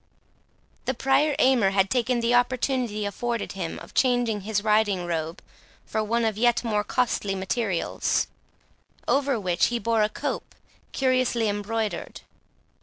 The Prior Aymer had taken the opportunity afforded him, of changing his riding robe for one of yet more costly materials, over which he wore a cope curiously embroidered.